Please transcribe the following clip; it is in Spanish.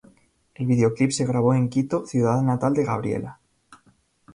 El videoclip se grabó en Quito, ciudad natal de Gabriela.